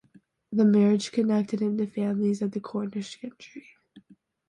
The marriage connected him to families of the Cornish gentry.